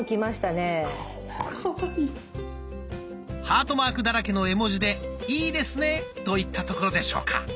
ハートマークだらけの絵文字で「いいですね」といったところでしょうか。